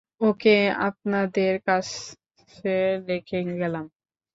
ওকে আপনাদের কাছে রেখে গেলাম।